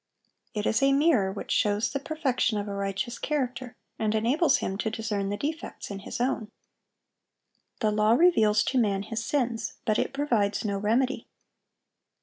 It is a mirror which shows the perfection of a righteous character, and enables him to discern the defects in his own. The law reveals to man his sins, but it provides no remedy.